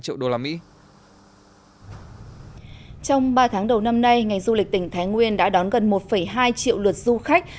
ngành du lịch tỉnh thái nguyên đã đón gần một hai triệu lượt du khách